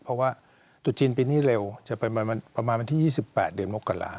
เพราะว่าตุดจีนปีนี้เร็วจะไปประมาณวันที่๒๘เดือนมกรา